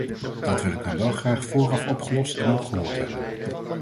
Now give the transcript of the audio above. Dat wil ik dan wel graag vooraf opgelost en ook gehoord hebben.